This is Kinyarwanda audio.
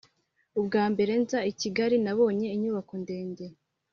ubwa mbere nza i kigali nabonye inyubaka ndende.